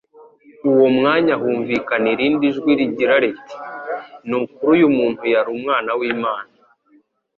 uwo mwanya humvikana irindi jwi rigira riti: «Ni ukuri uyu muntu yari Umwana w'Imana..»